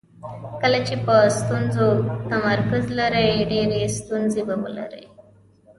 کله چې په ستونزو تمرکز لرئ ډېرې ستونزې به ولرئ.